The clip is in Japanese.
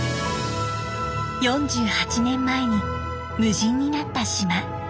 ４８年前に無人になった島。